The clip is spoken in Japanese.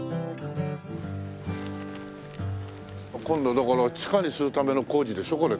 今度だから地下にするための工事でしょ？